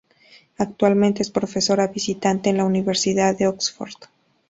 Actualmente es profesora visitante en la Universidad de Oxford.